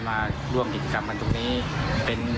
นำขนมจีนมาให้คนละ๕โล